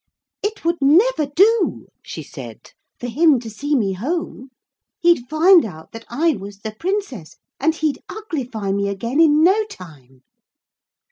'It would never do,' she said, 'for him to see me home. He'd find out that I was the Princess, and he'd uglify me again in no time.'